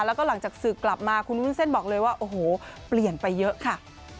แล้วก็หลังจากศึกกลับมาคุณวุ้นเส้นบอกเลยว่าโอ้โหเปลี่ยนไปเยอะค่ะ